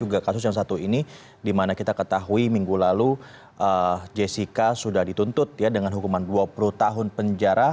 juga kasus yang satu ini dimana kita ketahui minggu lalu jessica sudah dituntut dengan hukuman dua puluh tahun penjara